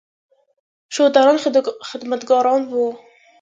شودران خدمتګاران وو.